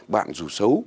bạn dù xấu